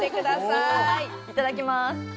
いただきます。